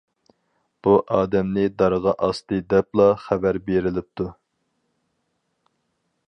بۇ ئادەمنى دارغا ئاستى دەپلا خەۋەر بېرىلىپتۇ.